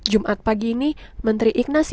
jumat pagi ini menteri ignasius jonan menggelar konferensi